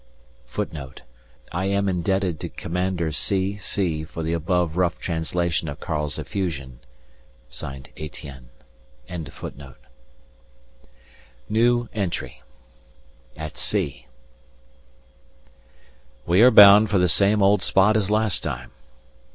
[Footnote: I am indebted to Commander C. C. for the above rough translation of Karl's effusion. ETIENNE.] At sea. We are bound for the same old spot as last time.